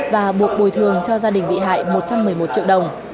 và buộc bồi thường cho gia đình bị hại một trăm một mươi một triệu đồng